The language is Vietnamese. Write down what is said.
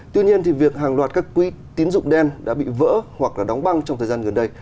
tuy nhiên thì việc hàng loạt các quỹ tín dụng đen đã bị vỡ hoặc đóng băng trong thời gian gần đây